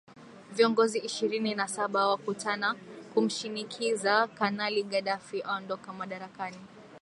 viongozi ishirini na saba wakutana kumshinikiza kanali gaddafi aondoka madarakani